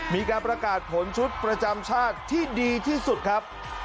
มีการประกาศผลชุดประจำชาติที่ดีที่สุดครับ